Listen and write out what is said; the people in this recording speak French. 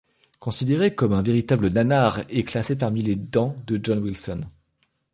Considéré comme un véritable nanar, est classé parmi les dans de John Wilson.